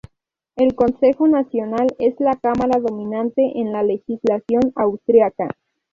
El consejo nacional es la cámara dominante en la legislación austríaca.